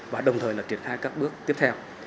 và đồng thời triển khai các bước tiếp theo